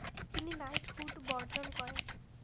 তিনি নাইটহুড বর্জন করেন।